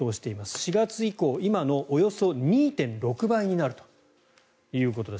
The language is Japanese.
４月以降、今のおよそ２．６倍になるということです。